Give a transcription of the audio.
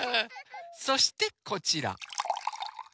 そしてこちら。